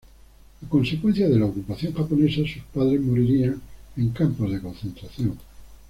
A consecuencia de la ocupación japonesa, sus padres morirían en campos de concentración.